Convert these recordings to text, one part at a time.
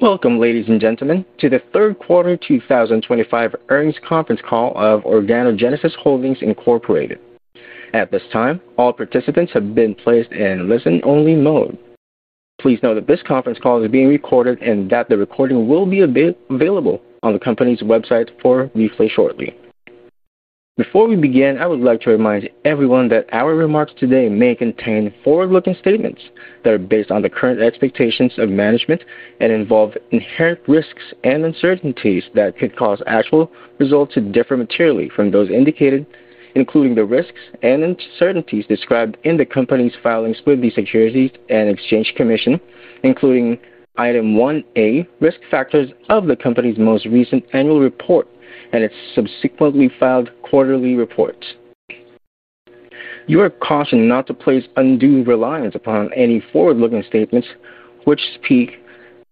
Welcome, ladies and gentlemen, to the third quarter 2025 earnings conference call of Organogenesis Holdings Incorporated. At this time, all participants have been placed in listen-only mode. Please note that this conference call is being recorded and that the recording will be available on the company's website for replay shortly. Before we begin, I would like to remind everyone that our remarks today may contain forward-looking statements that are based on the current expectations of management and involve inherent risks and uncertainties that could cause actual results to differ materially from those indicated, including the risks and uncertainties described in the company's filings with the Securities and Exchange Commission, including item 1A, risk factors of the company's most recent annual report and its subsequently filed quarterly reports. You are cautioned not to place undue reliance upon any forward-looking statements, which speak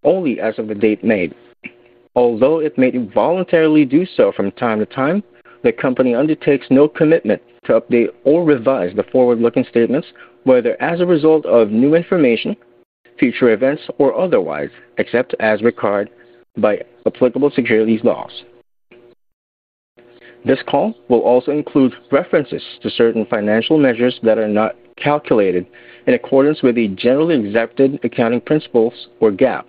only as of the date made. Although if made voluntarily do so from time to time, the company undertakes no commitment to update or revise the forward-looking statements, whether as a result of new information, future events, or otherwise, except as required by applicable securities laws. This call will also include references to certain financial measures that are not calculated in accordance with the generally accepted accounting principles or GAAP.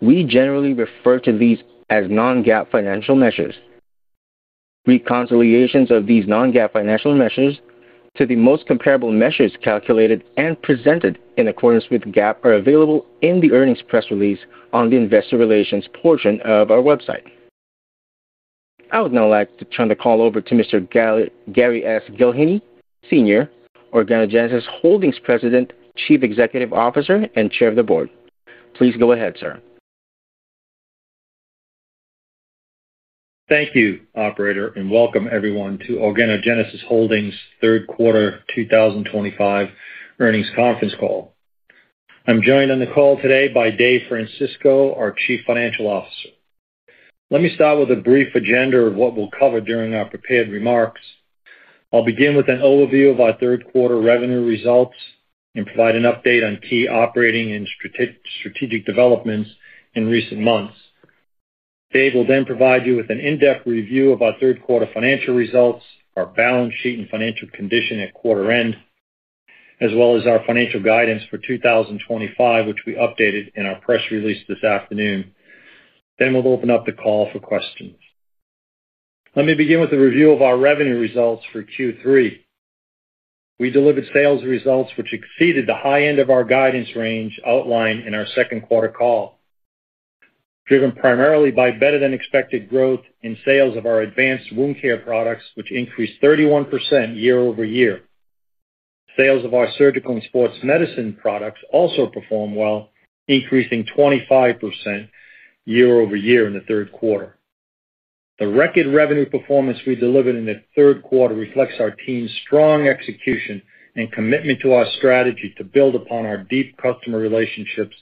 We generally refer to these as non-GAAP financial measures. Reconciliations of these non-GAAP financial measures to the most comparable measures calculated and presented in accordance with GAAP are available in the earnings press release on the investor relations portion of our website. I would now like to turn the call over to Mr. Gary S. Gillheeney, Sr., Organogenesis Holdings President, Chief Executive Officer, and Chair of the Board. Please go ahead, Sir. Thank you, Operator, and Welcome everyone to Organogenesis Holdings' third quarter 2025 earnings conference call. I'm joined on the call today by Dave Francisco, our Chief Financial Officer. Let me start with a brief agenda of what we'll cover during our prepared remarks. I'll begin with an overview of our third quarter revenue results and provide an update on key operating and strategic developments in recent months. Dave will then provide you with an in-depth review of our third quarter financial results, our balance sheet and financial condition at quarter end, as well as our financial guidance for 2025, which we updated in our press release this afternoon. We will open up the call for questions. Let me begin with a review of our revenue results for Q3. We delivered sales results which exceeded the high end of our guidance range outlined in our second quarter call. Driven primarily by better than expected growth in sales of our advanced wound care products, which increased 31% year-over-year. Sales of our surgical and sports medicine products also performed well, increasing 25% year-over-year in the third quarter. The record revenue performance we delivered in the third quarter reflects our team's strong execution and commitment to our strategy to build upon our deep customer relationships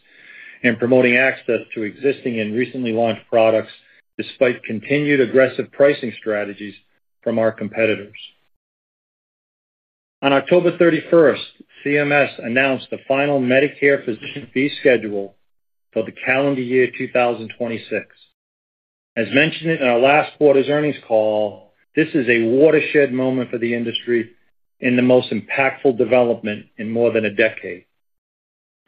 and promoting access to existing and recently launched products, despite continued aggressive pricing strategies from our competitors. On October 31st, CMS announced the final Medicare physician fee schedule for the calendar year 2026. As mentioned in our last quarter's earnings call, this is a watershed moment for the industry and the most impactful development in more than a decade.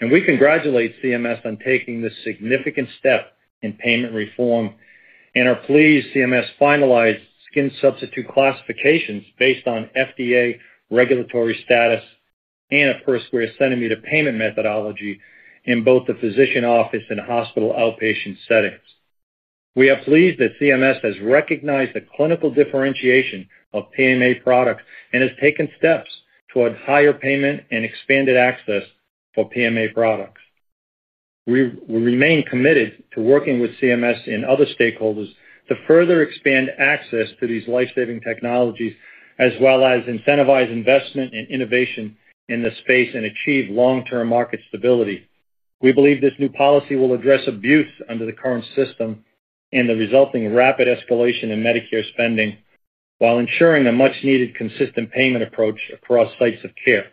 We congratulate CMS on taking this significant step in payment reform. We are pleased CMS finalized skin substitute classifications based on FDA regulatory status and a per square centimeter payment methodology in both the physician office and hospital outpatient settings. We are pleased that CMS has recognized the clinical differentiation of PMA products and has taken steps toward higher payment and expanded access for PMA products. We remain committed to working with CMS and other stakeholders to further expand access to these lifesaving technologies, as well as incentivize investment and innovation in the space and achieve long-term market stability. We believe this new policy will address abuse under the current system and the resulting rapid escalation in Medicare spending, while ensuring a much-needed consistent payment approach across sites of care.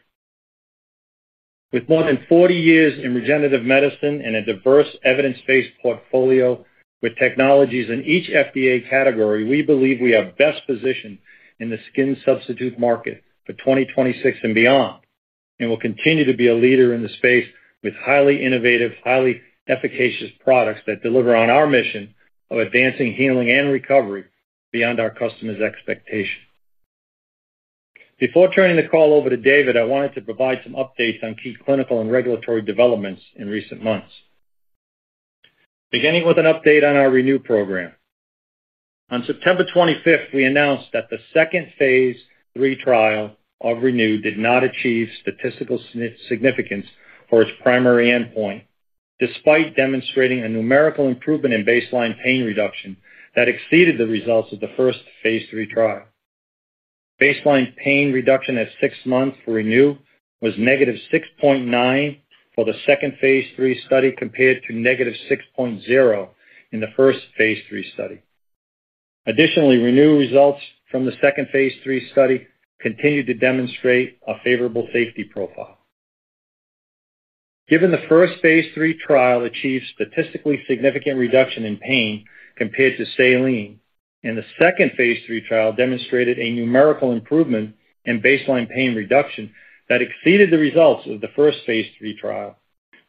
With more than 40 years in regenerative medicine and a diverse evidence-based portfolio with technologies in each FDA category, we believe we are best positioned in the skin substitute market for 2026 and beyond, and will continue to be a leader in the space with highly innovative, highly efficacious products that deliver on our mission of advancing healing and recovery beyond our customers' expectations. Before turning the call over to David, I wanted to provide some updates on key clinical and regulatory developments in recent months. Beginning with an update on our ReNu program. On September 25th, we announced that the second phase III trial of ReNu did not achieve statistical significance for its primary endpoint, despite demonstrating a numerical improvement in baseline pain reduction that exceeded the results of the first phase III trial. Baseline pain reduction at six months for ReNu was -6.9 for the second phase III study compared to -6.0 in the first phase III study. Additionally, ReNu results from the second phase III study continued to demonstrate a favorable safety profile. Given the first phase III trial achieved statistically significant reduction in pain compared to saline, and the second phase III trial demonstrated a numerical improvement in baseline pain reduction that exceeded the results of the first phase III trial,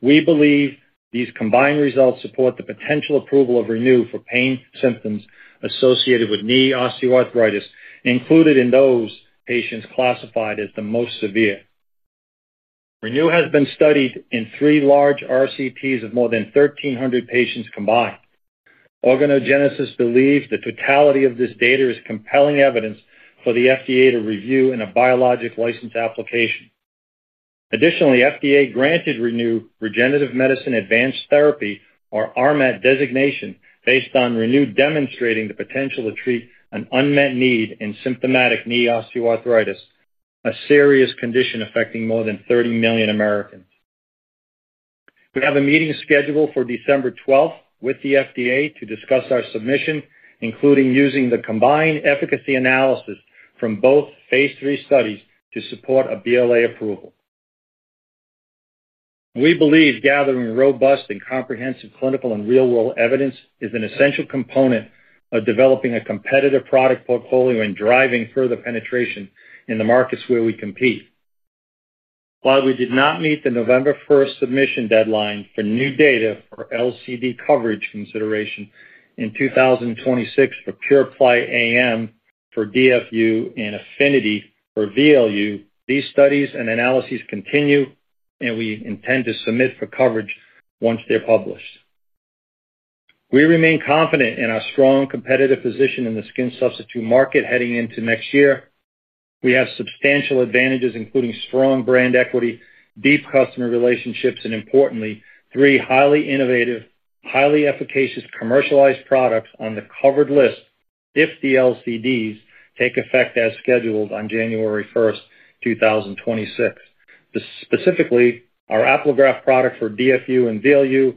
we believe these combined results support the potential approval of ReNu for pain symptoms associated with knee osteoarthritis, included in those patients classified as the most severe. ReNu has been studied in three large RCTs of more than 1,300 patients combined. Organogenesis believes the totality of this data is compelling evidence for the FDA to review in a biologic license application. Additionally, FDA granted ReNu regenerative medicine advanced therapy, or RMAT designation, based on ReNu demonstrating the potential to treat an unmet need in symptomatic knee osteoarthritis, a serious condition affecting more than 30 million Americans. We have a meeting scheduled for December 12th with the FDA to discuss our submission, including using the combined efficacy analysis from both phase III studies to support a BLA approval. We believe gathering robust and comprehensive clinical and real-world evidence is an essential component of developing a competitive product portfolio and driving further penetration in the markets where we compete. While we did not meet the November 1st submission deadline for new data for LCD coverage consideration in 2026 for PuraPly AM,, for DFU, and Affinity for VLU, these studies and analyses continue, and we intend to submit for coverage once they're published. We remain confident in our strong competitive position in the skin substitute market heading into next year. We have substantial advantages, including strong brand equity, deep customer relationships, and importantly, three highly innovative, highly efficacious commercialized products on the covered list if the LCDs take effect as scheduled on January 1st, 2026. Specifically, our Apligraf product for DFU and VLU,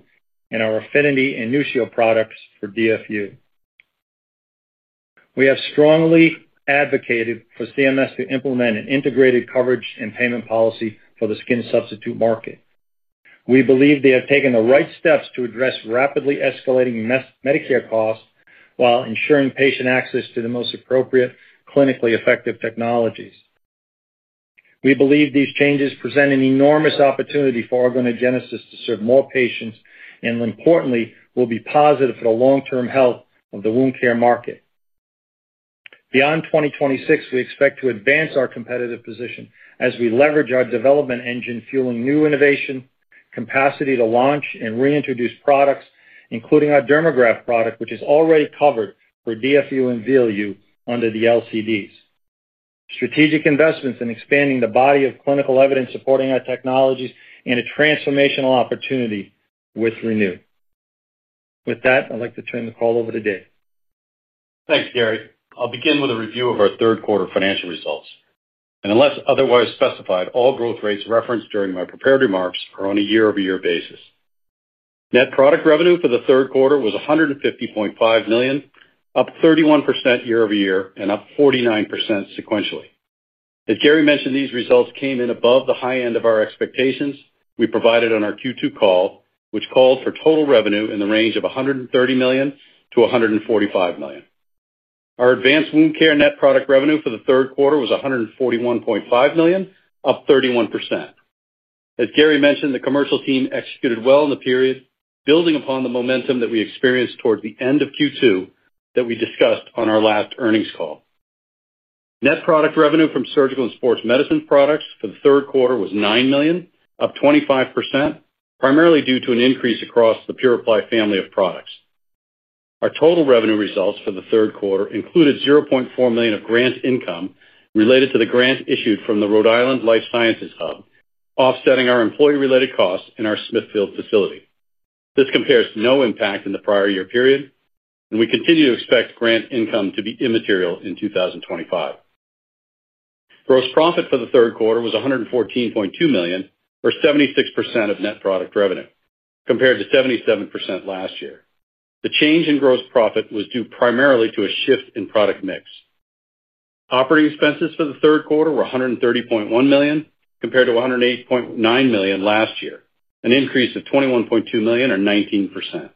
and our Affinity and NuShield products for DFU. We have strongly advocated for CMS to implement an integrated coverage and payment policy for the skin substitute market. We believe they have taken the right steps to address rapidly escalating Medicare costs while ensuring patient access to the most appropriate clinically effective technologies. We believe these changes present an enormous opportunity for Organogenesis to serve more patients, and importantly, will be positive for the long-term health of the wound care market. Beyond 2026, we expect to advance our competitive position as we leverage our development engine, fueling new innovation, capacity to launch and reintroduce products, including our Dermagraft product, which is already covered for DFU and VLU under the LCDs. Strategic investments in expanding the body of clinical evidence supporting our technologies and a transformational opportunity with ReNu. With that, I'd like to turn the call over to Dave. Thanks, Gary. I'll begin with a review of our third quarter financial results. Unless otherwise specified, all growth rates referenced during my prepared remarks are on a year-over-year basis. Net product revenue for the third quarter was $150.5 million, up 31% year-over-year and up 49% sequentially. As Gary mentioned, these results came in above the high end of our expectations we provided on our Q2 call, which called for total revenue in the range of $130 million-$145 million. Our advanced wound care net product revenue for the third quarter was $141.5 million, up 31%. As Gary mentioned, the commercial team executed well in the period, building upon the momentum that we experienced towards the end of Q2 that we discussed on our last earnings call. Net product revenue from surgical and sports medicine products for the third quarter was $9 million, up 25%, primarily due to an increase across the PuraPly family of products. Our total revenue results for the third quarter included $0.4 million of grant income related to the grant issued from the Rhode Island Life Sciences Hub, offsetting our employee-related costs in our Smithfield facility. This compares to no impact in the prior year period, and we continue to expect grant income to be immaterial in 2025. Gross profit for the third quarter was $114.2 million, or 76% of net product revenue, compared to 77% last year. The change in gross profit was due primarily to a shift in product mix. Operating expenses for the third quarter were $130.1 million, compared to $108.9 million last year, an increase of $21.2 million, or 19%.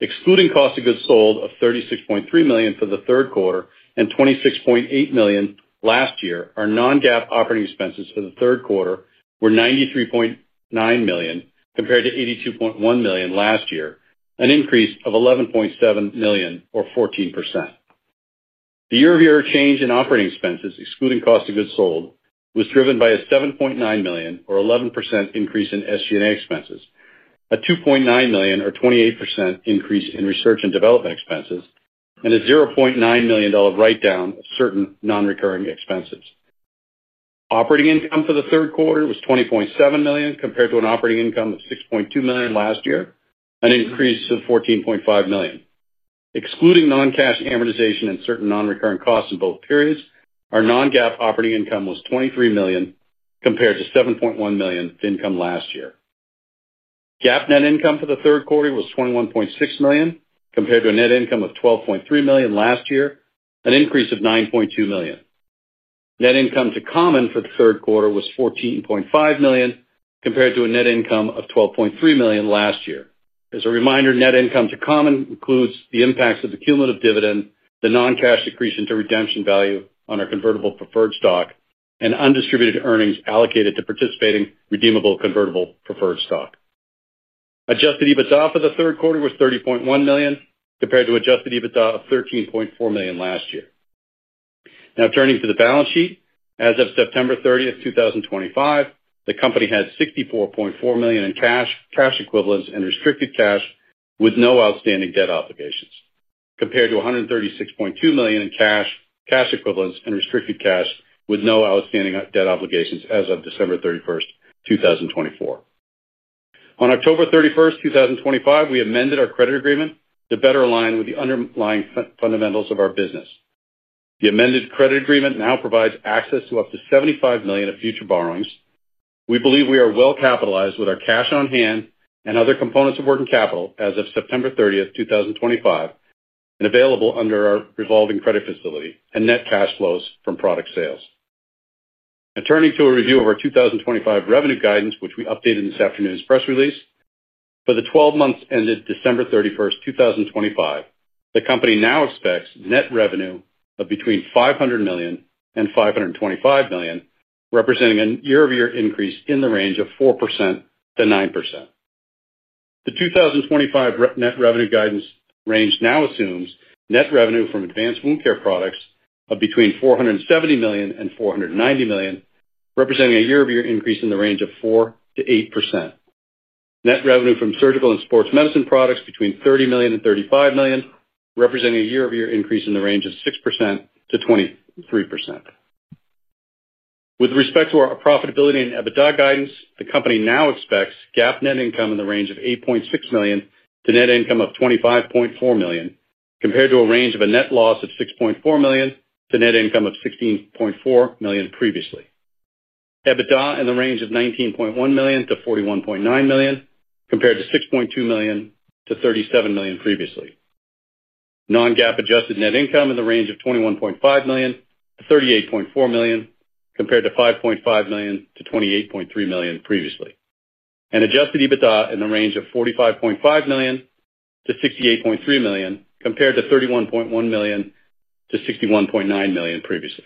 Excluding cost of goods sold of $36.3 million for the third quarter and $26.8 million last year, our non-GAAP operating expenses for the third quarter were $93.9 million, compared to $82.1 million last year, an increase of $11.7 million, or 14%. The year-over-year change in operating expenses, excluding cost of goods sold, was driven by a $7.9 million, or 11% increase in SG&A expenses, a $2.9 million, or 28% increase in research and development expenses, and a $0.9 million write-down of certain non-recurring expenses. Operating income for the third quarter was $20.7 million, compared to an operating income of $6.2 million last year, an increase of $14.5 million. Excluding non-cash amortization and certain non-recurring costs in both periods, our non-GAAP operating income was $23 million, compared to $7.1 million income last year. GAAP net income for the third quarter was $21.6 million, compared to a net income of $12.3 million last year, an increase of $9.2 million. Net income to common for the third quarter was $14.5 million, compared to a net income of $12.3 million last year. As a reminder, net income to common includes the impacts of the cumulative dividend, the non-cash equation to redemption value on our convertible preferred stock, and undistributed earnings allocated to participating redeemable convertible preferred stock. Adjusted EBITDA for the third quarter was $30.1 million, compared to Adjusted EBITDA of $13.4 million last year. Now, turning to the balance sheet, as of September 30th, 2025, the company had $64.4 million in cash equivalents and restricted cash with no outstanding debt obligations, compared to $136.2 million in cash equivalents and restricted cash with no outstanding debt obligations as of December 31st, 2024. On October 31st, 2025, we amended our credit agreement to better align with the underlying fundamentals of our business. The amended credit agreement now provides access to up to $75 million of future borrowings. We believe we are well capitalized with our cash on hand and other components of working capital as of September 30th, 2025, and available under our revolving credit facility and net cash flows from product sales. Now, turning to a review of our 2025 revenue guidance, which we updated in this afternoon's press release, for the 12 months ended December 31st, 2025, the company now expects net revenue of between $500 million and $525 million, representing a year-over-year increase in the range of 4%-9%. The 2025 net revenue guidance range now assumes net revenue from advanced wound care products of between $470 million and $490 million, representing a year-over-year increase in the range of 4%-8%. Net revenue from surgical and sports medicine products between $30 million and $35 million, representing a year-over-year increase in the range of 6%-23%. With respect to our profitability and EBITDA guidance, the company now expects GAAP net income in the range of $8.6 million to net income of $25.4 million, compared to a range of a net loss of $6.4 million to net income of $16.4 million previously. EBITDA in the range of $19.1 million to $41.9 million, compared to $6.2 million to $37 million previously. Non-GAAP adjusted net income in the range of $21.5 million-$38.4 million, compared to $5.5 million-$28.3 million previously. Adjusted EBITDA in the range of $45.5 million-$68.3 million, compared to $31.1 million-$61.9 million previously.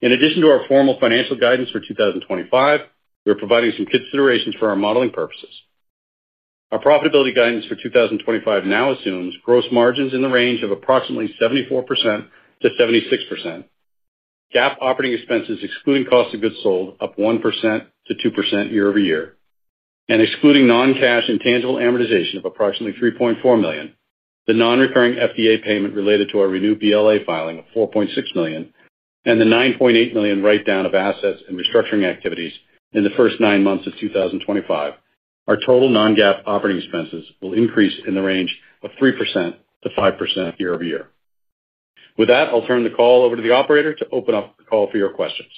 In addition to our formal financial guidance for 2025, we're providing some considerations for our modeling purposes. Our profitability guidance for 2025 now assumes gross margins in the range of approximately 74%-76%. GAAP operating expenses, excluding cost of goods sold, up 1%-2% year-over-year. Excluding non-cash intangible amortization of approximately $3.4 million, the non-recurring FDA payment related to our ReNu BLA filing of $4.6 million, and the $9.8 million write-down of assets and restructuring activities in the first nine months of 2025, our total non-GAAP operating expenses will increase in the range of 3%-5% year-over-year. With that, I'll turn the call over to the operator to open up the call for your questions.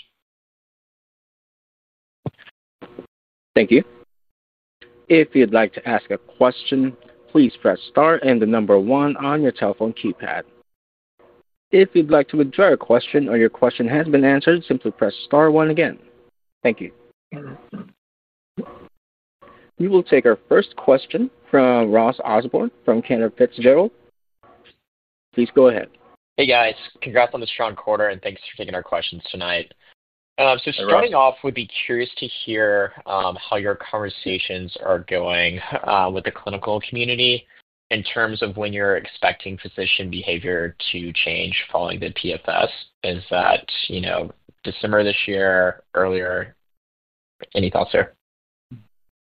Thank you. If you'd like to ask a question, please press star and the number one on your telephone keypad. If you'd like to withdraw your question or your question has been answered, simply press star one again. Thank you. We will take our first question from Ross Osborn from Cantor Fitzgerald. Please go ahead. Hey, guys. Congrats on this strong quarter, and thanks for taking our questions tonight. Hello. Starting off, we'd be curious to hear how your conversations are going with the clinical community in terms of when you're expecting physician behavior to change following the PFS. Is that December this year, earlier? Any thoughts there?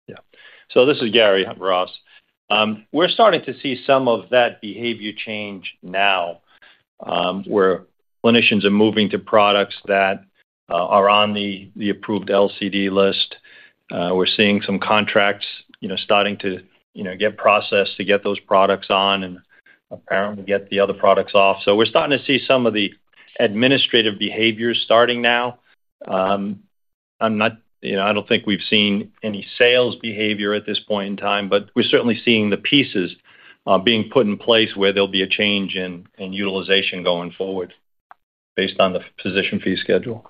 Yeah. This is Gary, Ross. We're starting to see some of that behavior change now, where clinicians are moving to products that are on the approved LCD list. We're seeing some contracts starting to get processed to get those products on and apparently get the other products off. We're starting to see some of the administrative behaviors starting now. I don't think we've seen any sales behavior at this point in time, but we're certainly seeing the pieces being put in place where there'll be a change in utilization going forward, based on the physician fee schedule.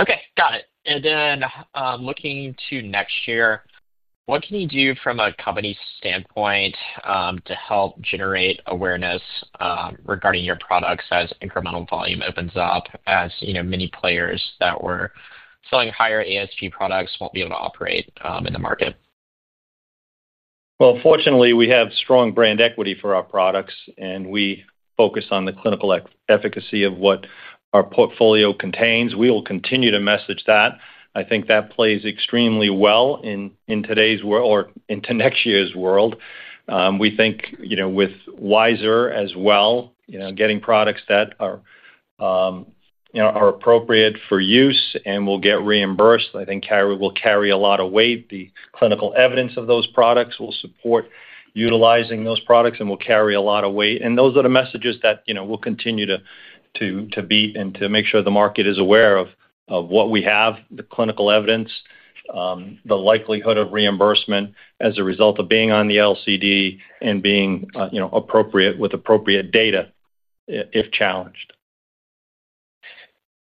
Okay. Got it. Then looking to next year, what can you do from a company's standpoint to help generate awareness regarding your products as incremental volume opens up, as many players that were selling higher ASG products won't be able to operate in the market? Fortunately, we have strong brand equity for our products, and we focus on the clinical efficacy of what our portfolio contains. We will continue to message that. I think that plays extremely well in today's or into next year's world. We think with Wiser as well, getting products that are appropriate for use and will get reimbursed, I think will carry a lot of weight. The clinical evidence of those products will support utilizing those products and will carry a lot of weight. Those are the messages that we'll continue to beat and to make sure the market is aware of what we have, the clinical evidence, the likelihood of reimbursement as a result of being on the LCD and being appropriate with appropriate data, if challenged.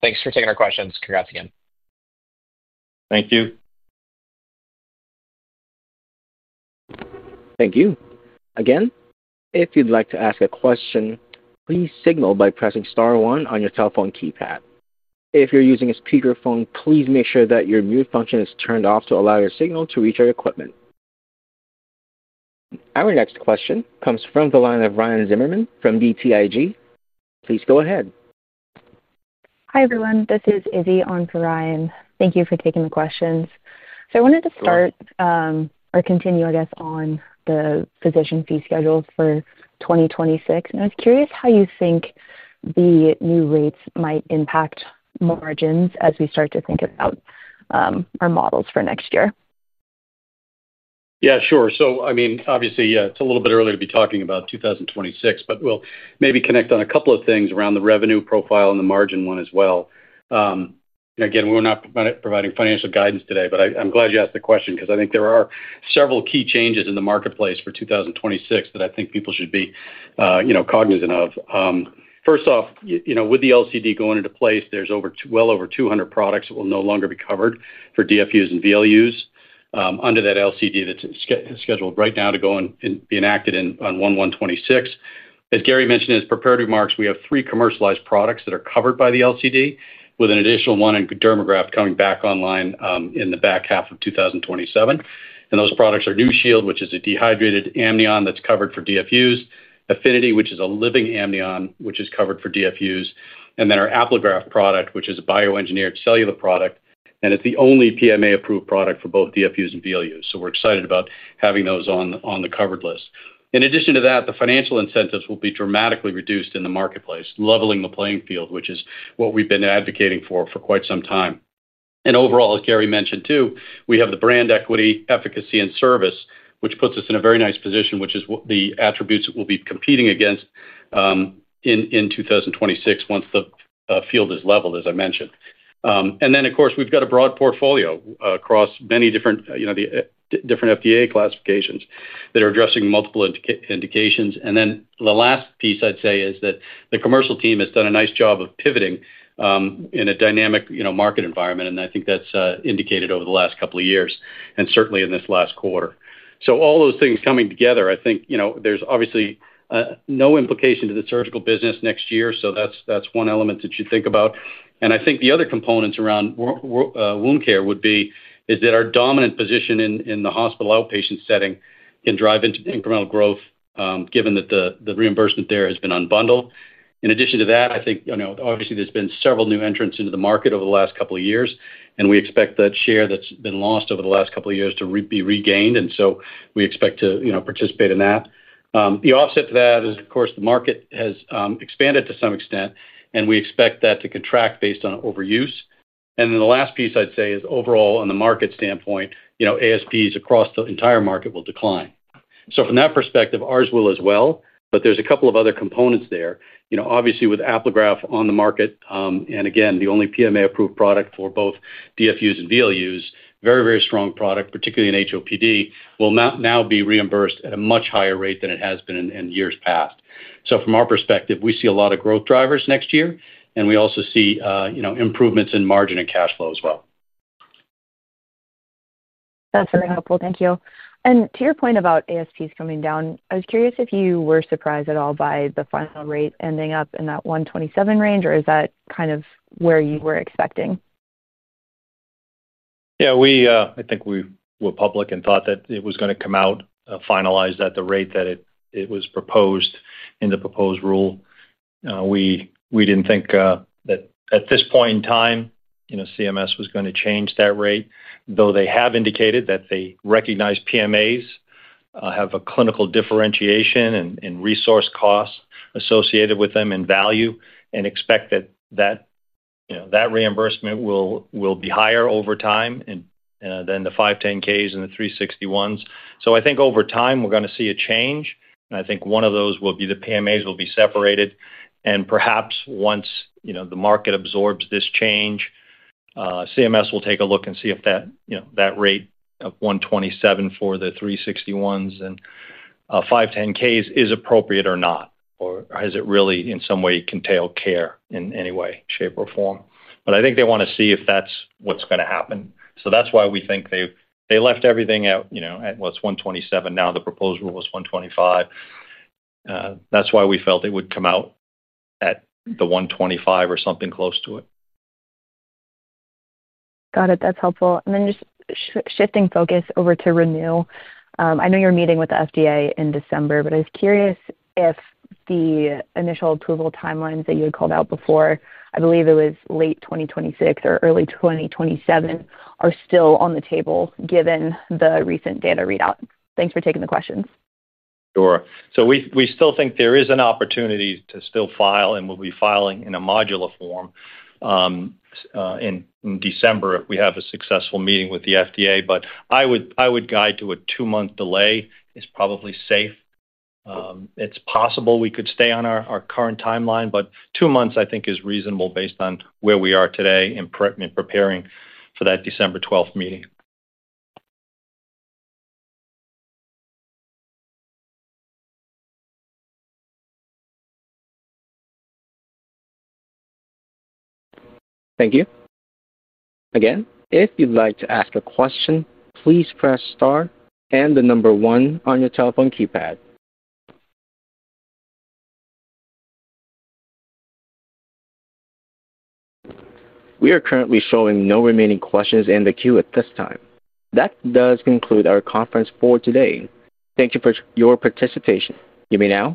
Thanks for taking our questions. Congrats again. Thank you. Thank you. Again, if you'd like to ask a question, please signal by pressing Star one on your telephone keypad. If you're using a speakerphone, please make sure that your mute function is turned off to allow your signal to reach your equipment. Our next question comes from the line of Ryan Zimmerman from BTIG. Please go ahead. Hi everyone. This is Izzy on for Ryan. Thank you for taking the questions. I wanted to start, or continue, I guess, on the physician fee schedules for 2026. I was curious how you think the new rates might impact margins as we start to think about our models for next year. Yeah, sure. I mean, obviously, yeah, it's a little bit early to be talking about 2026, but we'll maybe connect on a couple of things around the revenue profile and the margin one as well. Again, we're not providing financial guidance today, but I'm glad you asked the question because I think there are several key changes in the marketplace for 2026 that I think people should be cognizant of. First off, with the LCD going into place, there's well over 200 products that will no longer be covered for DFUs and VLUs under that LCD that's scheduled right now to go and be enacted on 01/01/2026. As Gary mentioned in his preparatory remarks, we have three commercialized products that are covered by the LCD, with an additional one in Dermagraft coming back online in the back half of 2027. Those products are NuShield, which is a dehydrated amnion that is covered for DFUs, Affinity, which is a living amnion which is covered for DFUs, and then our Apligraf product, which is a bioengineered cellular product. It is the only PMA-approved product for both DFUs and VLUs. We are excited about having those on the covered list. In addition to that, the financial incentives will be dramatically reduced in the marketplace, leveling the playing field, which is what we have been advocating for for quite some time. Overall, as Gary mentioned too, we have the brand equity, efficacy, and service, which puts us in a very nice position, which is the attributes that we will be competing against. In 2026 once the field is leveled, as I mentioned. Of course, we have got a broad portfolio across many different FDA classifications that are addressing multiple indications. The last piece I'd say is that the commercial team has done a nice job of pivoting in a dynamic market environment, and I think that's indicated over the last couple of years, and certainly in this last quarter. All those things coming together, I think there's obviously no implication to the surgical business next year. That's one element that you think about. I think the other components around wound care would be that our dominant position in the hospital outpatient setting can drive into incremental growth, given that the reimbursement there has been unbundled. In addition to that, I think obviously there's been several new entrants into the market over the last couple of years, and we expect that share that's been lost over the last couple of years to be regained. We expect to participate in that. The offset to that is, of course, the market has expanded to some extent, and we expect that to contract based on overuse. The last piece I'd say is overall, on the market standpoint, ASPs across the entire market will decline. From that perspective, ours will as well, but there's a couple of other components there. Obviously, with Apligraf on the market, and again, the only PMA-approved product for both DFUs and VLUs, very, very strong product, particularly in HOPD, will now be reimbursed at a much higher rate than it has been in years past. From our perspective, we see a lot of growth drivers next year, and we also see improvements in margin and cash flow as well. That's really helpful. Thank you. To your point about ASPs coming down, I was curious if you were surprised at all by the final rate ending up in that $127 range, or is that kind of where you were expecting? Yeah, I think we were public and thought that it was going to come out finalized at the rate that it was proposed in the proposed rule. We didn't think that at this point in time, CMS was going to change that rate, though they have indicated that they recognize PMAs have a clinical differentiation and resource costs associated with them and value, and expect that. That reimbursement will be higher over time than the 510(k)s and the 361s. I think over time, we're going to see a change. I think one of those will be the PMAs will be separated. Perhaps once the market absorbs this change, CMS will take a look and see if that rate of $127 for the 361s and 510(k)s is appropriate or not, or has it really in some way contained care in any way, shape, or form. I think they want to see if that's what's going to happen. That's why we think they left everything at what's $127. Now the proposal was $125. That's why we felt it would come out at the $125 or something close to it. Got it. That's helpful. Just shifting focus over to ReNu. I know you're meeting with the FDA in December, but I was curious if the initial approval timelines that you had called out before, I believe it was late 2026 or early 2027, are still on the table given the recent data readout. Thanks for taking the questions. Sure. We still think there is an opportunity to still file, and we'll be filing in a modular form. In December if we have a successful meeting with the FDA. I would guide to a two-month delay is probably safe. It's possible we could stay on our current timeline, but two months I think is reasonable based on where we are today in preparing for that December 12th meeting. Thank you. Again, if you'd like to ask a question, please press star and the number one on your telephone keypad. We are currently showing no remaining questions in the queue at this time. That does conclude our conference for today. Thank you for your participation. You may now disconnect.